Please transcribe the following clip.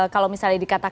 kalau misalnya dikatakan